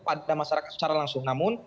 pada masyarakat secara langsung namun